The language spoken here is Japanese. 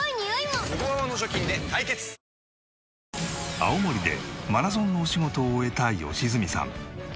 青森でマラソンのお仕事を終えた良純さん。